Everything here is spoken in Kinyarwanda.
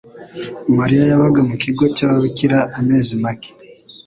Mariya yabaga mu kigo cy'ababikira amezi make.